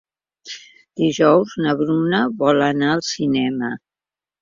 Dijous na Bruna vol anar al cinema.